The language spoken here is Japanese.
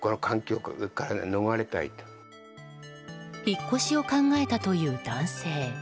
引っ越しを考えたという男性。